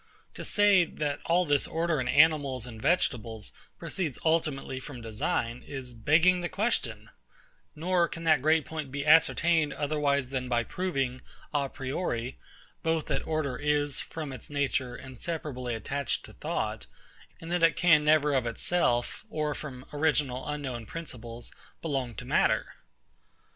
To say, that all this order in animals and vegetables proceeds ultimately from design, is begging the question; nor can that great point be ascertained otherwise than by proving, a priori, both that order is, from its nature, inseparably attached to thought; and that it can never of itself, or from original unknown principles, belong to matter.